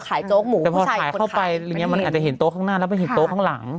ขายโจ๊กหมูแต่พอขายเข้าไปมันอาจจะเห็นโต๊ะข้างหน้าแล้วมันเห็นโต๊ะข้างหลัง